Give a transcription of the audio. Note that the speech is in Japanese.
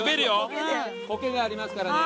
コケがありますからね。